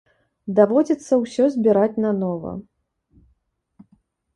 Даводзіцца ўсё збіраць нанова.